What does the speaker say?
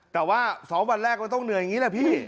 แต่ว่า๒วันแรกมันต้องเหนื่อยอย่างนี้แหละพี่